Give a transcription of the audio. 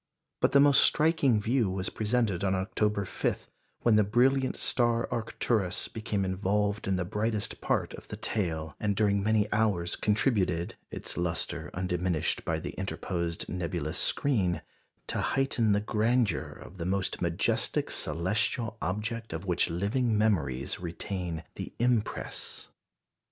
But the most striking view was presented on October 5, when the brilliant star Arcturus became involved in the brightest part of the tail, and during many hours contributed, its lustre undiminished by the interposed nebulous screen, to heighten the grandeur of the most majestic celestial object of which living memories retain the impress.